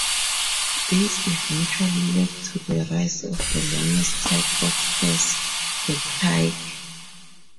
These eventually led to the rise of the longest type of spears, the pike.